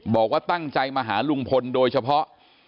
บอกว่าตั้งใจมาหาลุงพลโดยเฉพาะ